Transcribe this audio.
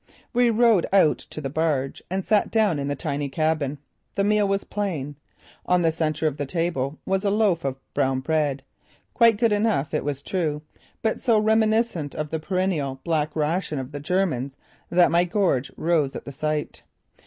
We rowed out to the barge and sat down in the tiny cabin. The meal was plain. On the centre of the table was a loaf of brown bread, quite good enough it was true, but so reminiscent of the perennial black ration of the Germans that my gorge rose at the sight.